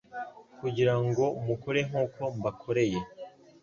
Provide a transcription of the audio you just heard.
kugira ngo mukore nk'uko mbakoreye.»